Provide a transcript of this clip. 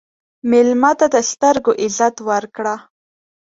مېلمه ته د سترګو عزت ورکړه.